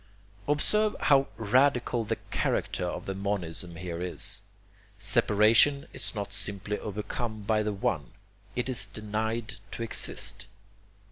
Observe how radical the character of the monism here is. Separation is not simply overcome by the One, it is denied to exist.